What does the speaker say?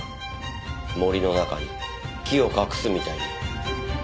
森の中に木を隠すみたいに。